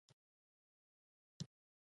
د قسیم ګل اخوندزاده زوی و.